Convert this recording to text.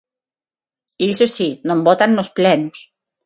Iso si, non votan nos plenos.